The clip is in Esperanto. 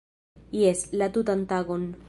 - Jes! - La tutan tagon